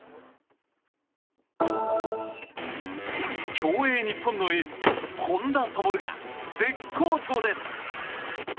競泳日本のエース本多灯が絶好調です。